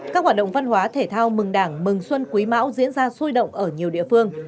các hoạt động văn hóa thể thao mừng đảng mừng xuân quý mão diễn ra sôi động ở nhiều địa phương